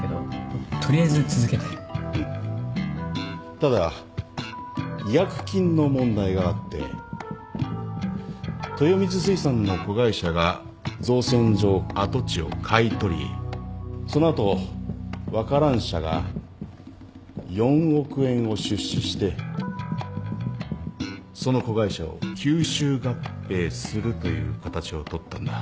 ただ違約金の問題があって豊光水産の子会社が造船所跡地を買い取りその後ワカラン社が４億円を出資してその子会社を吸収合併するという形を取ったんだ。